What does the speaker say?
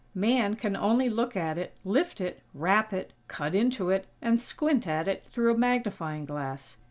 Man can only look at it, lift it, rap it, cut into it, and squint at it through a magnifying glass.